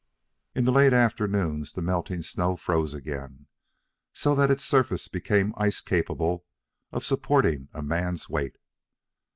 In the late afternoons the melting snow froze again, so that its surface became ice capable of supporting a man's weight.